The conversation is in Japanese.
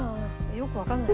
よくわかんない。